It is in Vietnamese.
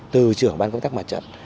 từ trưởng ban công tác mặt trận